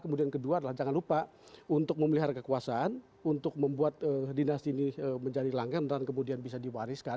kemudian kedua adalah jangan lupa untuk memelihara kekuasaan untuk membuat dinasti ini menjadi langgang dan kemudian bisa diwariskan